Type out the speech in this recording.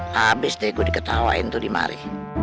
habis deh gue diketawain tuh di mari